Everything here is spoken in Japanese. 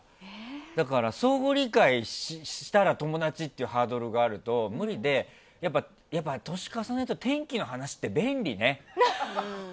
だから、相互理解したら友達っていうハードルがあると無理で、歳重ねると天気の話って便利ね。